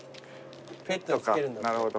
ペットにつけるんだって。